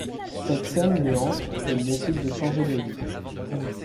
Cette scène le hante et il décide de changer de vie.